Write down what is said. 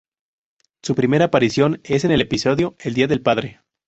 Su primera aparición es en el episodio "El día del padre".